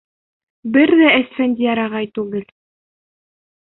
Бер ҙә Әсфәндиәр ағай түгел.